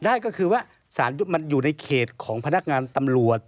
ได้ก็คือว่าสารมันอยู่ในเขตของพนักงานตำรวจ